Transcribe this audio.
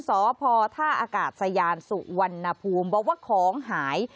สพท่าอากาศยานสุวรรณภูมิบอกว่าของหาย